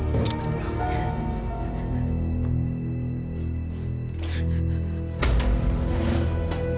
dengan lembaga macau